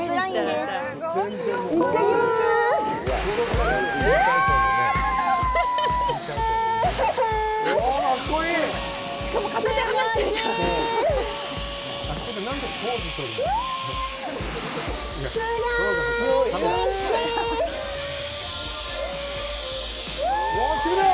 すごーい！